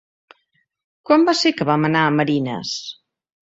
Quan va ser que vam anar a Marines?